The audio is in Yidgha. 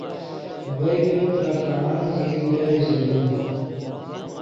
ڤئے کہ ترے خڑانگ ژئیت ڈیز ژیبیم